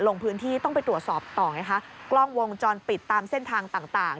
ลงพื้นที่ต้องไปตรวจสอบต่อไงคะกล้องวงจรปิดตามเส้นทางต่างต่าง